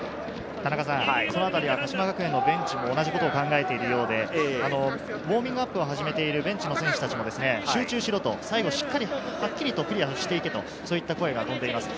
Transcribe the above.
鹿島学園のベンチも同じことを考えているようで、ウオーミングアップを始めているベンチの選手たちも集中しろ、最後しっかり、はっきりクリアしていけと声をかけています。